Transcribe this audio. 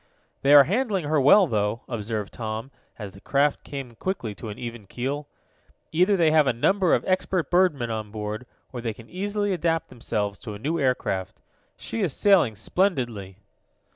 "They are handling her well, though," observed Tom, as the craft came quickly to an even keel. "Either they have a number of expert birdmen on board, or they can easily adapt themselves to a new aircraft. She is sailing splendidly."